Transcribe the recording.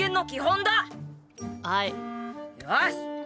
よし！